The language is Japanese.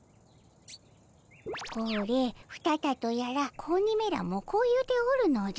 これフタタとやら子鬼めらもこう言うておるのじゃ。